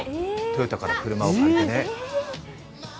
トヨタから車を借りてね。